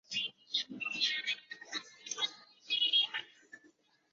多芒复叶耳蕨为鳞毛蕨科复叶耳蕨属下的一个种。